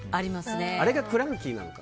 あれがクランキーなのか。